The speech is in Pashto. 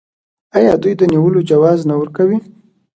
آیا دوی د نیولو جواز نه ورکوي؟